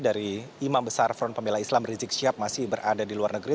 dari imam besar front pembela islam rizik syihab masih berada di luar negeri